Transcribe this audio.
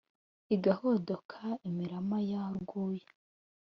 igahodoka imirama ya rwuya